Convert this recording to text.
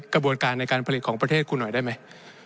กระบวนการในการผลิตของประเทศคุณหน่อยได้ไหม